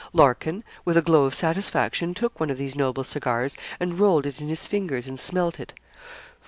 Larkin, with a glow of satisfaction, took one of these noble cigars, and rolled it in his fingers, and smelt it.